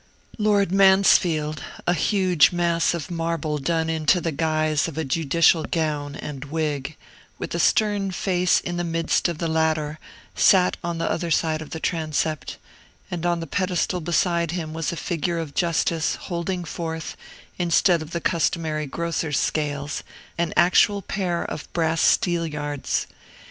Lord Mansfield, a huge mass of marble done into the guise of a judicial gown and wig, with a stern face in the midst of the latter, sat on the other side of the transept; and on the pedestal beside him was a figure of Justice, holding forth, instead of the customary grocer's scales, an actual pair of brass steelyards.